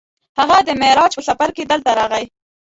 هغه د معراج په سفر کې دلته راغی.